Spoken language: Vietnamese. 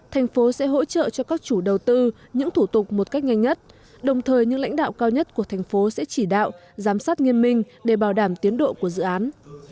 thành phố sẽ hỗ trợ cho các chủ đầu tư những thủ tục một cách nhanh nhất đồng thời những lãnh đạo cao nhất của thành phố sẽ chỉ đạo giám sát nghiêm minh để bảo đảm tiến độ của dự án